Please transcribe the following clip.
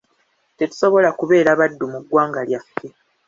Tetusobola kubeera baddu mu ggwanga lyaffe.